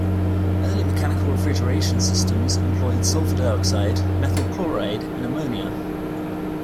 Early mechanical refrigeration systems employed sulfur dioxide, methyl chloride and ammonia.